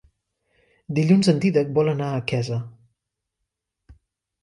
Dilluns en Dídac vol anar a Quesa.